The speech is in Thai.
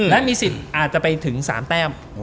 และมีสิทธิ์อาจจะไปถึง๓แต้ม